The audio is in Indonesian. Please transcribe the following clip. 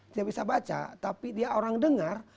dia bisa baca tapi dia orang dengar